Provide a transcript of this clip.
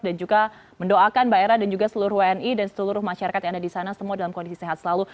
dan juga mendoakan mbak era dan juga seluruh wni dan seluruh masyarakat yang ada di sana semua dalam kondisi sehat selalu